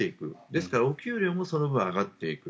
ですから、お給料もその分上がっていく。